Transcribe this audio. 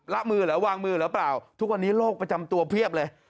ละมือเหรอวางมือหรือเปล่าทุกวันนี้โรคประจำตัวเพียบเลย